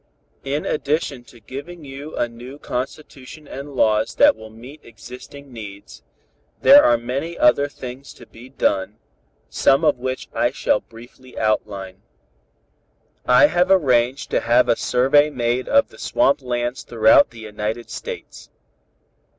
"In addition to giving you a new Constitution and laws that will meet existing needs, there are many other things to be done, some of which I shall briefly outline. I have arranged to have a survey made of the swamp lands throughout the United States.